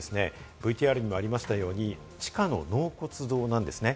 ＶＴＲにもあったように、地下の納骨堂なんですね。